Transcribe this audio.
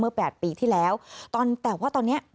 ๘ปีที่แล้วแต่ว่าตอนนี้